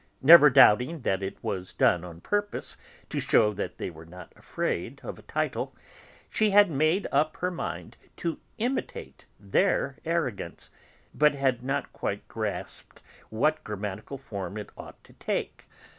Never doubting that it was done on purpose, to shew that they were not afraid of a title, she had made up her mind to imitate their arrogance, but had not quite grasped what grammatical form it ought to take.